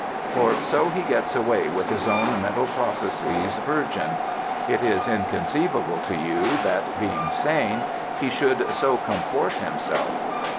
For so he gets away with his own mental processes virgin: it is inconceivable to you that, being sane, he should so comport himself.